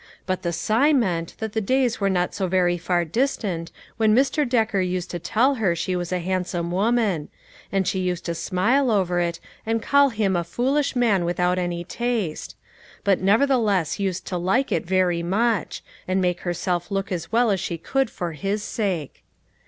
But the sigh meant that the days were not so very far distant when Mr. Decker used to tell her she was a handsome woman ; and she used to smile over it, and call him a foolish man without any taste; but nevertheless used to like it very much, and make herself look as well as she could for his sake.